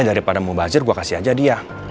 ya daripada mau bazir gue kasih aja dia